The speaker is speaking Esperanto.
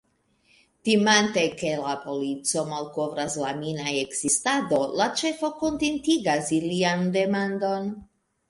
Timante ke la polico malkovras la mina ekzistado, la ĉefo kontentigas ilian demandon.